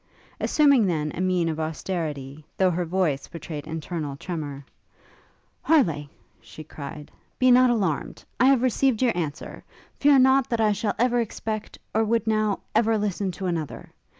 Assuming then a mien of austerity, though her voice betrayed internal tremour, 'Harleigh!' she cried, 'be not alarmed. I have received your answer! fear not that I shall ever expect or would, now, even listen to another!